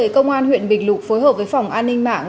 công an huyện bình lục phối hợp với phòng an ninh mạng